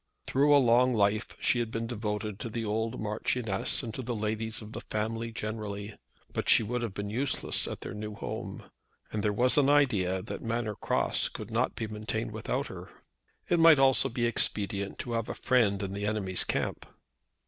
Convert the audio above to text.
Through a long life she had been devoted to the old Marchioness and to the ladies of the family generally; but she would have been useless at their new home, and there was an idea that Manor Cross could not be maintained without her. It might also be expedient to have a friend in the enemy's camp.